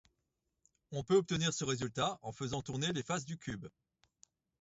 On peut obtenir ce résultat en faisant tourner les faces du cube.